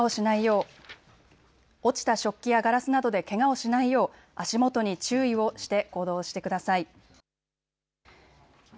落ちた食器やガラスなどでけがをしないよう足元に注意をして行動をしてください。